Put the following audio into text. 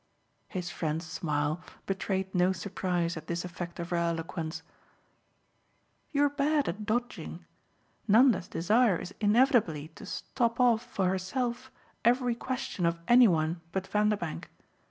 His friend's smile betrayed no surprise at this effect of her eloquence. "You're bad at dodging. Nanda's desire is inevitably to stop off for herself every question of any one but Vanderbank.